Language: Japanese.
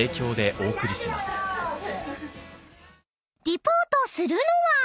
［リポートするのは］